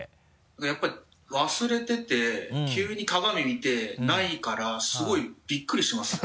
やっぱ忘れてて急に鏡見てないからすごいびっくりしますよね。